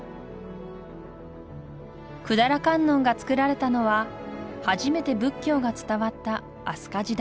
百済観音が作られたのは初めて仏教が伝わった飛鳥時代。